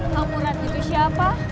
kang murad itu siapa